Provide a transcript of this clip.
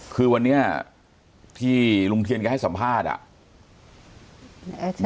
คือวันนี้ที่ลุงเทียนแกให้สัมภาษณ์อ่ะ